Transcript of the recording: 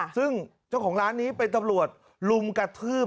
ซึ่งเจ้าของร้านนี้เป็นตำรวจลุมกระทืบ